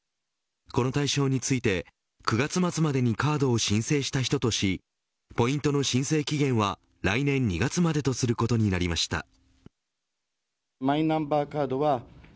この対象について９月末までにカードを申請した人としポイントの申請期限は来年２月までとすることになりました。